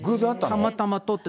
たまたま撮って。